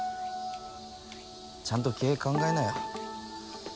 ちゃんと経営考えなよ